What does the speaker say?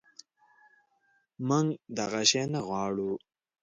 منږ دغه شی نه غواړو